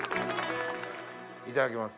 いただきます。